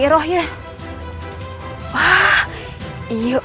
tidak tidak tidak